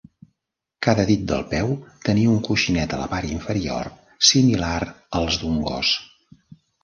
Cada dit del peu tenia un coixinet a la part inferior, similar als d'un gos.